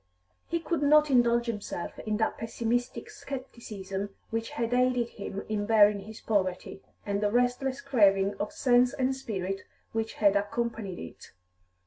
He could not indulge himself in that pessimistic scepticism which had aided him in bearing his poverty, and the restless craving of sense and spirit which had accompanied it.